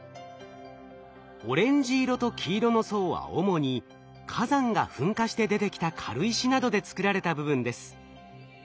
オレンジ色と黄色の層は主に火山が噴火して出てきた軽石などで作られた部分です。